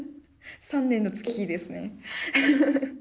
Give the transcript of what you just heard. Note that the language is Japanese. ３年の月日ですね。